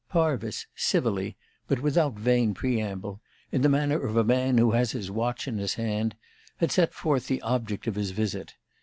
Parvis, civilly, but without vain preamble, in the manner of a man who has his watch in his hand, had set forth the object of his visit.